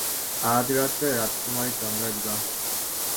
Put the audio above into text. আজ রাত্রে রাজকুমারী চন্দ্রার বিবাহ।